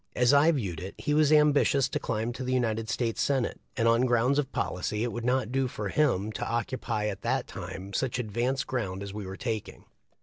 As I viewed it, he was ambitious to climb to the United States Senate, and on grounds of policy it would not do for him to occupy at that time such advanced ground as we were taking.